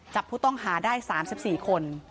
จับผู้ต้องหาได้๓๔คน